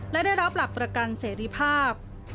และได้รับหลักประกันเสรีภาพ